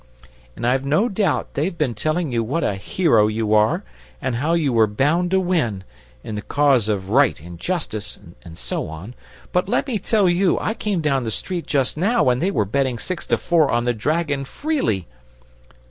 And I've no doubt they've been telling you what a hero you were, and how you were bound to win, in the cause of right and justice, and so on; but let me tell you, I came down the street just now, and they were betting six to four on the dragon freely!"